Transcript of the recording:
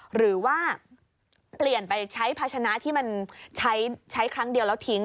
หรือว่าเปลี่ยนไปใช้ภาชนะที่มันใช้ครั้งเดียวแล้วทิ้ง